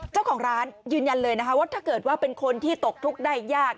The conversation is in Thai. เจ้าของร้านยืนยันเลยนะคะว่าถ้าเกิดว่าเป็นคนที่ตกทุกข์ได้ยาก